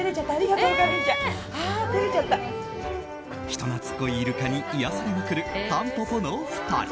人懐っこいイルカに癒やされまくる、たんぽぽの２人。